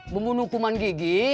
membunuh kuman gigi